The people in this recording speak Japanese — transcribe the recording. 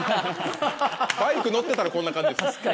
バイク乗ってたらこんな感じです。